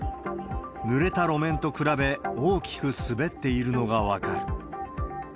ぬれた路面と比べ、大きく滑っているのが分かる。